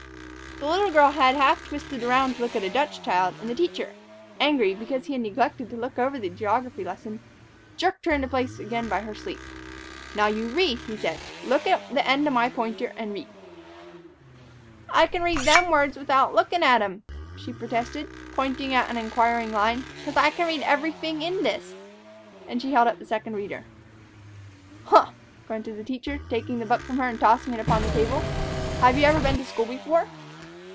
The little girl had twisted half around to look at a Dutch child, and the teacher, angry because he had neglected to look over the geography lesson, jerked her into place again by her sleeve. "Now, you read," he said; "look at the end of my pointer and read." "I can read them words 'thout looking at 'em," she protested, pointing at an inquiring line, "'cause I can read everyfing in this." And she held up the Second Reader. "Huh!" grunted the teacher, taking the book from her and tossing it upon his table. "Have you ever been to school before?"